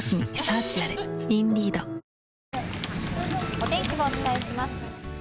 お天気をお伝えします。